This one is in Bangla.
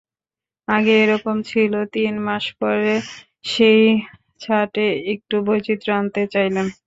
আগে একরকম ছিল, তিন মাস পরে সেই ছাঁটে একটু বৈচিত্র্য আনতে চাইলেন।